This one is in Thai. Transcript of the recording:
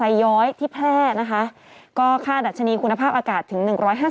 ไซย้อยที่แพร่ก็ค่าดัจฉนีคุณภาพอากาศถึง๑๕๓